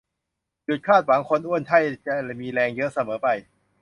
หยุดคาดหวัง คนอ้วนใช่จะมีแรงเยอะเสมอไป